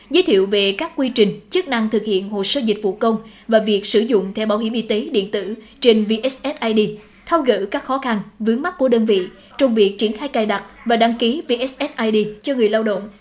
giới thiệu về các quy trình chức năng thực hiện hồ sơ dịch vụ công và việc sử dụng theo bảo hiểm y tế điện tử trên vssid thao gỡ các khó khăn vướng mắt của đơn vị trong việc triển khai cài đặt và đăng ký vssid cho người lao động